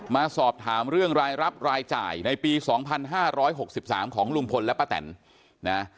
มาสอบถามเรื่องรายรับรายจ่ายในปี๒๕๖๓ของลุงพลและป้าแตนนะ